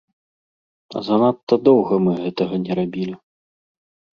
Занадта доўга мы гэтага не рабілі.